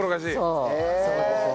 そうそうですね。